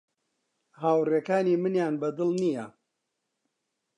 هاوڕێکانی منیان بە دڵ نییە.